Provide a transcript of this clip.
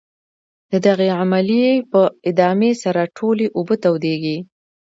د دغې عملیې په ادامې سره ټولې اوبه تودیږي.